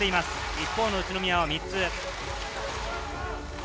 一方の宇都宮は３つ。